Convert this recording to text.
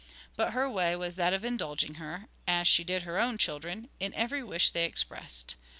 But her way was that of indulging her, as she did her own children, in every wish they expressed.